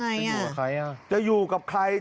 ทำไงอ่ะจะอยู่กับใครอ่ะ